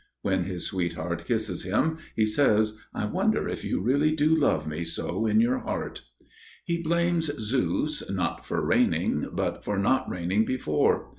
When his sweetheart kisses him, he says, "I wonder if you really do love me so in your heart." He blames Zeus, not for raining, but for not raining before.